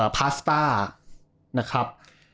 พาสต้านะครับ